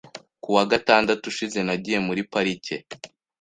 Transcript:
Ku wa gatandatu ushize, nagiye muri parike .